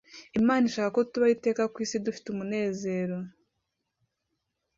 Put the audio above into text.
imana ishaka ko tubaho iteka ku isi dufite umunezero